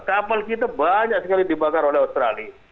kapal kita banyak sekali dibakar oleh australia